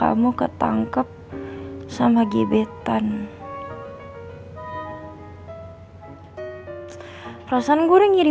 aduh gue enggak bisa tidur ya dari tadi